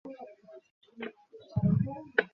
আপনি কি আমাকে খুনি হিসেবে সন্দেহ করছেন?